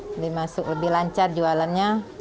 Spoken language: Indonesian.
beli masuk lebih lancar jualannya